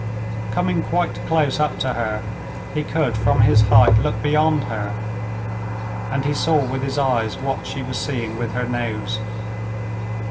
Coming quite close up to her, he could from his height look beyond her, and he saw with his eyes what she was seeing with her nose.